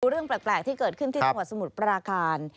เรื่องแปลกที่เกิดขึ้นที่จังหวัดสมุทรปราการ